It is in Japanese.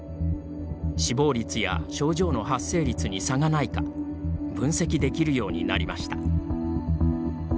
死亡率や症状の発生率に差がないか分析できるようになりました。